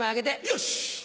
よし！